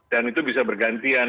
dan itu bisa bergantian